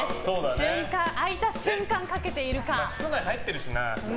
開いた瞬間、かけているか。